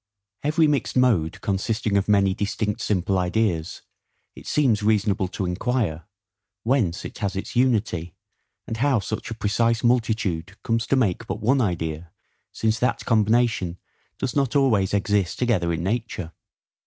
Every mixed mode consisting of many distinct simple ideas, it seems reasonable to inquire, Whence it has its unity; and how such a precise multitude comes to make but one idea; since that combination does not always exist together in nature?